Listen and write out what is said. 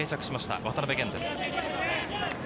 渡辺弦です。